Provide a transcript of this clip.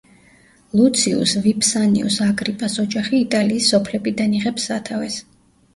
ლუციუს ვიფსანიუს აგრიპას ოჯახი იტალიის სოფლებიდან იღებს სათავეს.